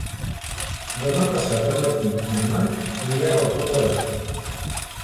Demà passat en Martí i en Marc aniran al Pont de Bar.